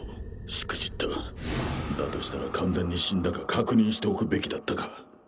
しくじっただとしたら完全に死んだか確認しておくべきだったか